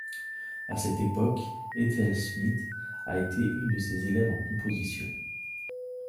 À cette époque, Ethel Smyth a été une de ses élèves en composition.